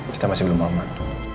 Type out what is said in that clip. kita masih belum aman